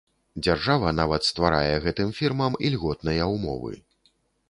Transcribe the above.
Дзяржава нават стварае гэтым фірмам ільготныя ўмовы.